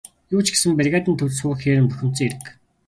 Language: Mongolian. Юу ч гэсэн бригадын төвд суу гэхээр нь бухимдсан хэрэг.